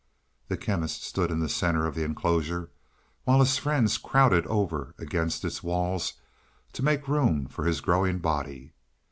The Chemist stood in the centre of the enclosure, while his friends crowded over against its walls to make room for his growing body.